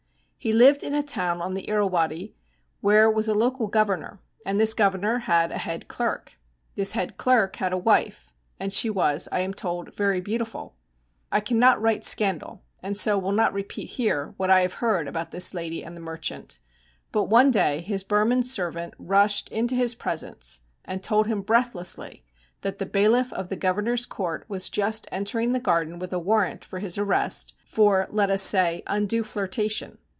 He lived in a town on the Irrawaddy, where was a local governor, and this governor had a head clerk. This head clerk had a wife, and she was, I am told, very beautiful. I cannot write scandal, and so will not repeat here what I have heard about this lady and the merchant; but one day his Burman servant rushed into his presence and told him breathlessly that the bailiff of the governor's court was just entering the garden with a warrant for his arrest, for, let us say, undue flirtation.